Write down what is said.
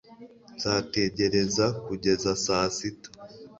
nzategereza kugeza saa sita